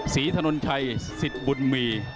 ศรีถนนชัยศิษย์บุญมี